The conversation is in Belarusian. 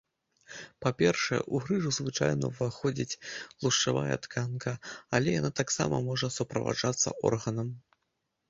Па-першае, у грыжу звычайна ўваходзіць тлушчавая тканка, але яна таксама можа суправаджацца органам.